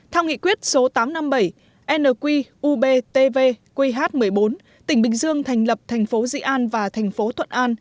theo nghị quyết số tám trăm năm mươi bảy nqubtvqh một mươi bốn tỉnh bình dương thành lập thành phố dĩ an và thành phố thuận an